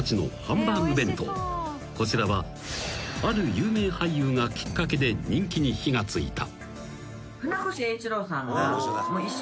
［こちらはある有名俳優がきっかけで人気に火が付いた］